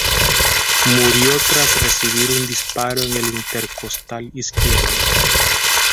Murió tras recibir un disparo en el intercostal izquierdo.